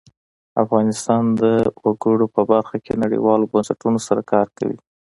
افغانستان د وګړي په برخه کې نړیوالو بنسټونو سره کار کوي.